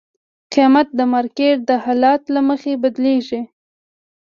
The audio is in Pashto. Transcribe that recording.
قیمت د مارکیټ د حالت له مخې بدلېږي.